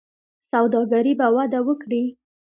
سوداګري به وده وکړي.